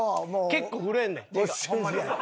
結構震えんねん手がホンマに。